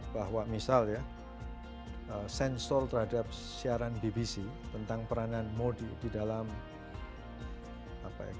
bahwa misalnya sensor terhadap siaran bbc tentang peranan modi di dalam kebencian terhadap minoritas muslim di gujarat dua puluh tahun yang lalu itu tidak boleh disensor